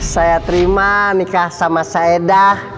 saya terima nikah sama saidah